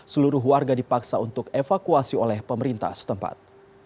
seluruh warga dipaksa untuk evakuasi oleh pemerintah setempat